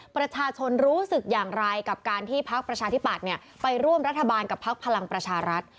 ประชาชนรู้สึกอย่างไรกับการที่พักประชาธิปัตย์ไปร่วมรัฐบาลกับพักพลังประชารัฐ